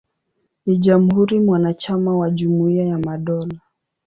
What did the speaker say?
Ni jamhuri mwanachama wa Jumuiya ya Madola.